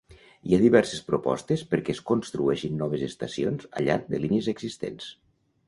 Hi ha diverses propostes perquè es construeixin noves estacions al llarg de línies existents.